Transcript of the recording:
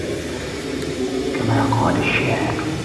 كَمَا قَالَ الشَّاعِرُ